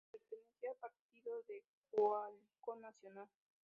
Pertenecía al partido de Coalición Nacional.